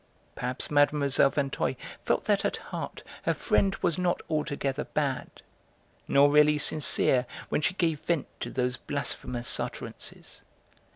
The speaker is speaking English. Perhaps Mlle. Vinteuil felt that at heart her friend was not altogether bad, not really sincere when she gave vent to those blasphemous utterances.